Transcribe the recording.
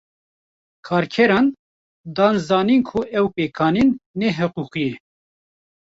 Kerkeran, dan zanîn ku ev pêkanîn ne hiqûqî ye